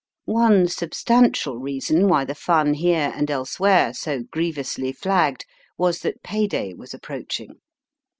One substantial reason why the fun here and elsewhere so grievously flagged was that pay day was approaching.